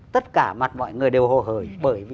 tất cả mặt mọi người đều hồ hời